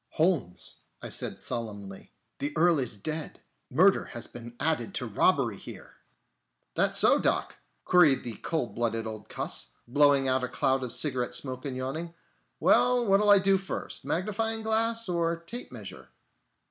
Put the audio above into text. "Holmes," I said solemnly, "the Earl is dead! Murder has been added to robbery here!" "That so, Doc?" queried the cold blooded old cuss, blowing out a cloud of cigarette smoke and yawning. "Well, what'll I do first, magnifying glass or tape measure?"